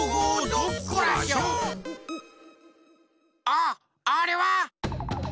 あっあれは！